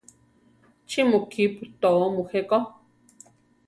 ¿Chí mu kípu tóo mujé ko?